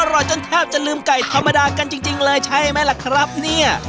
อร่อยจนแทบจะลืมไก่ธรรมดากันจริงเลยใช่ไหมล่ะครับเนี่ย